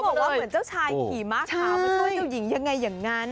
เหมือนเจ้าชายขี่ม้าขาวไม่ใช่เจ้าหญิงยังไงอย่างนั้น